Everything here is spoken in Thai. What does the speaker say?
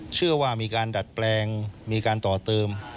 เชื่อว่ามีการดัดแปลงมีการต่อเติม